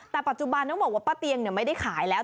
แต่ปัจจุบันต้องบอกว่าป้าเตียงไม่ได้ขายแล้ว